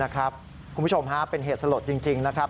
คุณผู้ชมฮะเป็นเหตุสลดจริงนะครับ